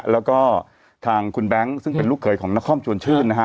แล้วก็ทางคุณแบงค์ซึ่งเป็นลูกเขยของนครชวนชื่นนะฮะ